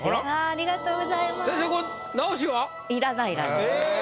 ありがとうございます。